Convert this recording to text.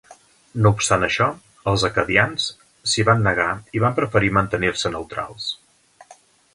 No obstant això, els acadians s'hi van negar i van preferir mantenir-se neutrals.